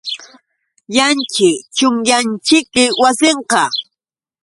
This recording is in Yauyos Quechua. Illanćhi, chunyanćhiki wasinqa.